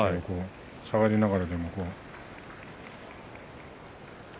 下がりながらでも。